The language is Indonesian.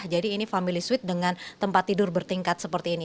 jadi ini family suite dengan tempat tidur bertingkat seperti ini